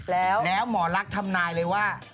แล้วหมอรัคทำนายเลยว่า